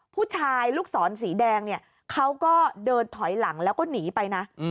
ผู้ชายลูกศรสีแดงเนี่ยเขาก็เดินถอยหลังแล้วก็หนีไปนะ